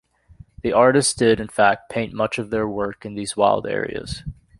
The artists did, in fact, paint much of their work in these wild areas.